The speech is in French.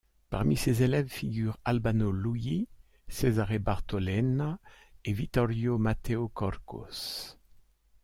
Parmi ses élèves figurent Albano Lugli, Cesare Bartolena et Vittorio Matteo Corcos.